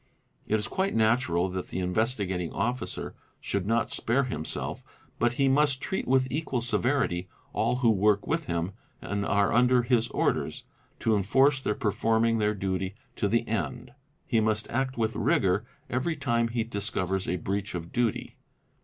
It is quite natural that the Investigating ¥ Officer should not spare himself, but he must treat with equal severity all who work with him and are under his orders, to enforce their per t forming their duty to the end; he must act with rigour every time he _ discovers a breach of duty.